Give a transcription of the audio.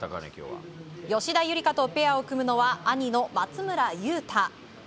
吉田夕梨花とペアを組むのは兄の松村雄太。